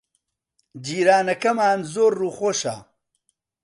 جیرانەکەمان زۆر ڕووخۆشە.